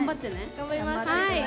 頑張ります！